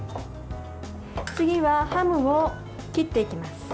次はハムを切っていきます。